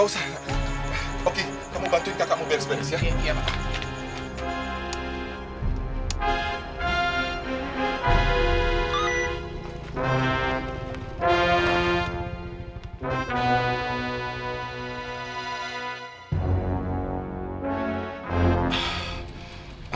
oke kamu bantuin kakakmu beres beres ya